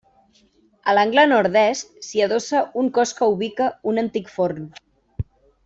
A l'angle Nord-est s'hi adossa un cos que ubica un antic forn.